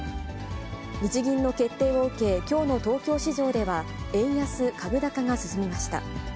日銀の決定を受け、きょうの東京市場では、円安株高が進みました。